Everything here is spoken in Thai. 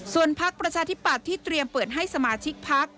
ส่วนพักประชาธิปัตย์ที่เตรียมเปิดให้สมาชิกพัก